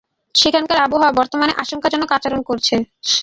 সেখানকার আবহাওয়া বর্তমানে আশংকাজনক আচরণ করছে।